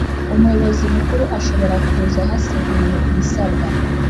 Umuyobozi Mukuru ashobora kuza haseguriwe ibisabwa